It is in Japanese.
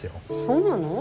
そうなの？